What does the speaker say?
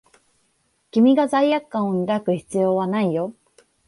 君が罪悪感を抱く必要はないよ。